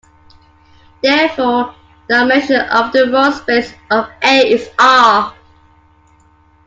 Therefore, the dimension of the row space of "A" is "r".